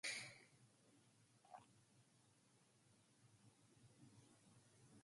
The town is ranked fifth-safest place to live in Virginia by Safewise.